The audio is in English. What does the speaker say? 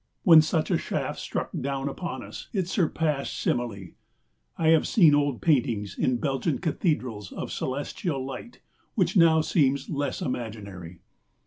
When such a shaft struck down upon us, it surpassed simile. I have seen old paintings in Belgian cathedrals of celestial light which now seems less imaginary.